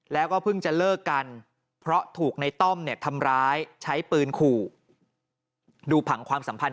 แล้วก็เพิ่งจะเลิกกัน